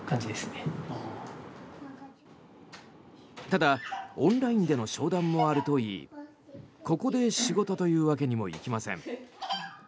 ただ、オンラインでの商談もあるといいここで仕事というわけにもいきません。